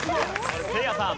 せいやさん。